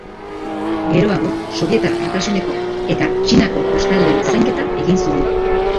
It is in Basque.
Geroago, Sobietar Batasuneko eta Txinako kostaldeen zainketa egin zuen.